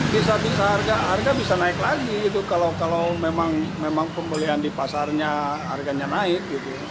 bisa bisa harga harga bisa naik lagi itu kalau memang pembelian di pasarnya harganya naik